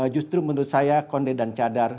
justru menurut saya konde dan cadar